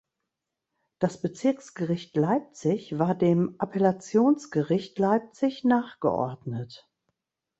Das Bezirksgericht Leipzig war dem Appellationsgericht Leipzig nachgeordnet.